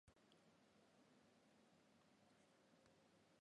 孩子的父亲又是谁？